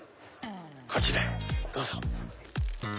こちらへどうぞ。